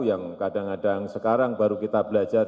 yang kadang kadang sekarang baru kita belajar